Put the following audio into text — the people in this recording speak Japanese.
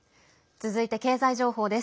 続いて経済情報です。